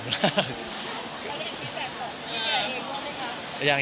มีแฟนของดีใจก็ไม่ค่ะ